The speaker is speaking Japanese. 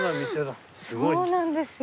そうなんですよ。